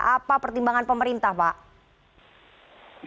apa pertimbangan pemerintah pak